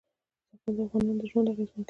زغال د افغانانو ژوند اغېزمن کوي.